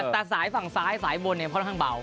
แต่สายฝั่งซ้ายสายบนค่อนข้างเบา